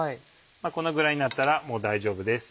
このぐらいになったらもう大丈夫です。